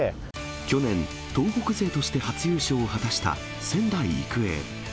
去年、東北勢として初優勝を果たした仙台育英。